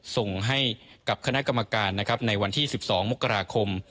ส่งให้กับคณะกรรมการนะครับในวันที่๑๒มกราคม